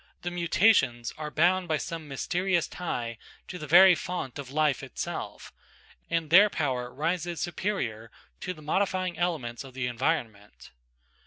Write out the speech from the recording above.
The mutations are bound by some mysterious tie to the very font of life itself, and their power rises superior to the modifying elements of the environment.